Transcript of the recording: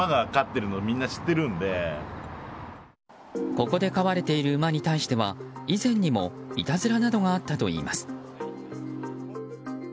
ここで飼われている馬に対しては以前にもいたずらなどがあったといいます。